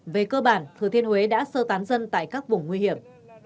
về cơ bản thừa thiên huế đã sơ tán dân tại các vùng nguy hiểm